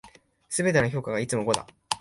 全ての評価がいつも五だ。